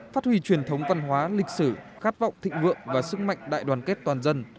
phát huy truyền thống văn hóa lịch sử khát vọng thịnh vượng và sức mạnh đại đoàn kết toàn dân